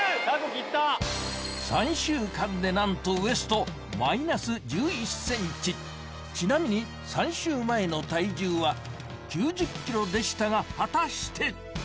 ３週間で何とウエストマイナス１１ｃｍちなみに３週前の体重は９０ｋｇでしたが果たして？